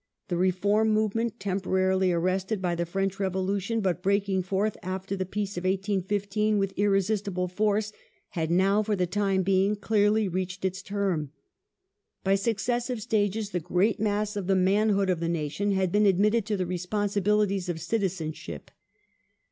The Reform movement, temporarily arrested by the French Revolution, but breaking forth after the Peace of 1815 with irresistible force, had now, for the time being, clearly reached its term. By successive stages the great mass of the manhood of the nation had been admitted to the responsibilities of citizenship.